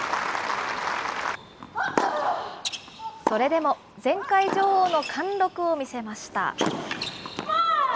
それでも、前回女王の貫録を見せました。